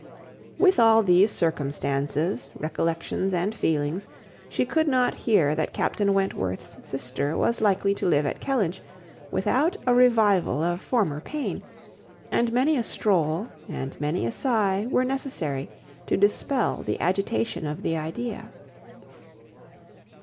With all these circumstances, recollections and feelings, she could not hear that Captain Wentworth's sister was likely to live at Kellynch without a revival of former pain; and many a stroll, and many a sigh, were necessary to dispel the agitation of the idea.